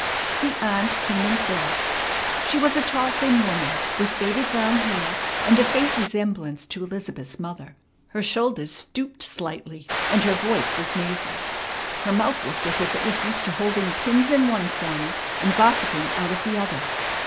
The aunt came in first. She was a tall, thin woman with faded brown hair and a faint resemblance to Elizabeth's mother. Her shoulders stooped slightly, and her voice was nasal. Her mouth looked as if it was used to holding pins in one corner and gossiping out of the other.